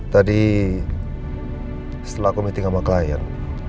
tadi setelah aku meeting sama klien